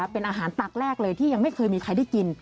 เป็นอาหารตักแรกเลยที่ยังไม่เคยมีใครได้กิน